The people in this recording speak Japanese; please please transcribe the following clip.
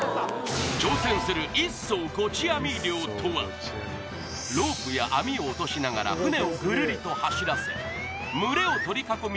挑戦するロープや網を落としながら船をぐるりと走らせ群れを取り囲み